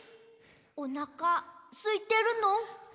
おなかすいてるの？